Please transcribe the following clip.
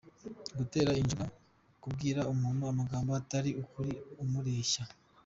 Gutera injuga: kubwira umuntu amagambo atari ukuri , umureshya.